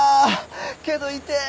けど痛ぇ！